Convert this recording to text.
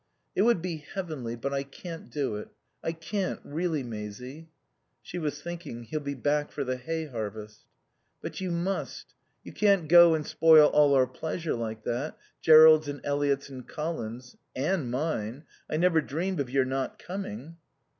"It would be heavenly, but I can't do it. I can't, really, Maisie." She was thinking: He'll be back for the hay harvest. "But you must. You can't go and spoil all our pleasure like that. Jerrold's and Eliot's and Colin's. And mine. I never dreamed of your not coming."